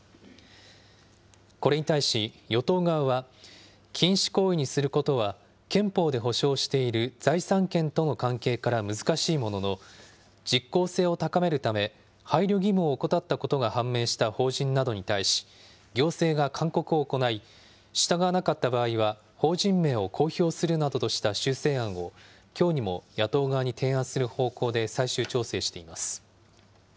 これに対し、与党側は禁止行為にすることは、憲法で保障している財産権との関係から難しいものの、実効性を高めるため、配慮義務を怠ったことが判明した法人などに対し、行政が勧告を行い、従わなかった場合は、法人名を公表するなどとした修正案を、きょうにも野党側に提案する方向で最終調整しています。